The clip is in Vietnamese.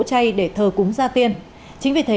chay để thơ cúng ra tiên chính vì thế